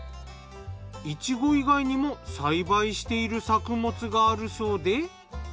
イチゴ以外にも栽培している作物があるそうで。